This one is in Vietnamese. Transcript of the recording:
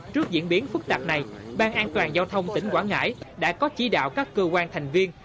trước diễn biến phức tạp này ban an toàn giao thông tỉnh quảng ngãi đã có chỉ đạo các cơ quan thành viên